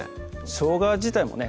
しょうが自体もね